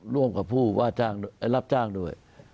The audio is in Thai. ร่วมกับผู้ว่ารับจ้างด้วย